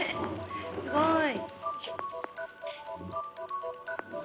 すごい。